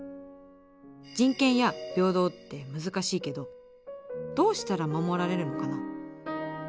人権や平等って難しいけどどうしたら守られるのかな？